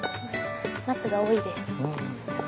松が多いです。